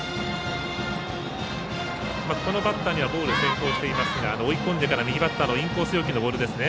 このバッターにはボール先行していますが追い込んでから右バッターのインコース寄りのボールですね。